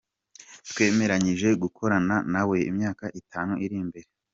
Twemeranyije gukorana nawe imyaka itanu iri imbere.